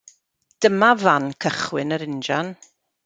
Dyma fan cychwyn yr injan.